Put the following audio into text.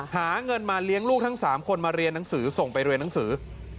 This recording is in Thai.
หาเงินมาเลี้ยงลูกทั้ง๓คนมาเรียนหนังสือส่งไปเรียนหนังสือ